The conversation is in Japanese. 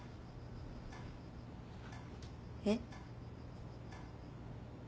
えっ？